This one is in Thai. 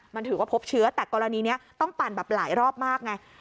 มันถือว่าพบเชื้อแต่กรณีนี้ต้องปั่นแบบหลายรอบมากไง